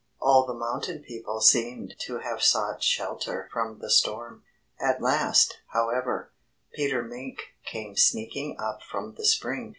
All the mountain people seemed to have sought shelter from the storm. At last, however, Peter Mink came sneaking up from the spring.